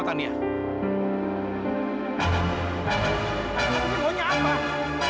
telia kan men youtubers